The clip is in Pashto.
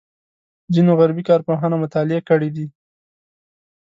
ځینو غربي کارپوهانو مطالعې کړې دي.